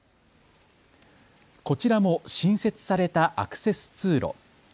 こちらも新設されたアクセス通路。